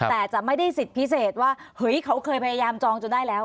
แต่จะไม่ได้สิทธิ์พิเศษว่าเฮ้ยเขาเคยพยายามจองจนได้แล้ว